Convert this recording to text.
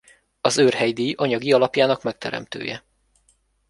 Az Őrhely-díj anyagi alapjának megteremtője.